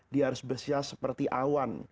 dia harus bersih hati seperti awan